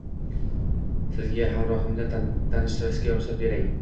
Sizga hamrohimni tanishtirishga ruxsat bering.